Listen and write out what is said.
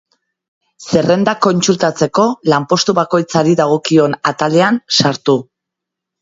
Zerrendak kontsultatzeko, lanpostu bakoitzari dagokion atalean sartu.